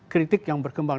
kritik yang berkembang